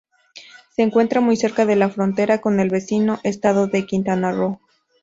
Se encuentra muy cerca de la frontera con el vecino estado de Quintana Roo.